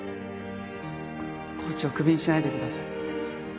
コーチをクビにしないでください。